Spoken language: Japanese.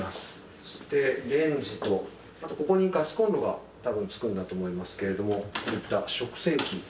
そしてレンジと、あとここにガスこんろがたぶん、つくんだと思うんですけれども、こういった食洗機。